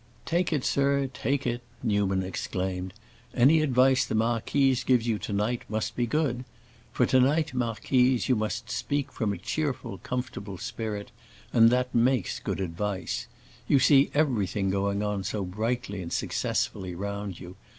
"Take it, sir—take it," Newman exclaimed. "Any advice the marquise gives you to night must be good. For to night, marquise, you must speak from a cheerful, comfortable spirit, and that makes good advice. You see everything going on so brightly and successfully round you.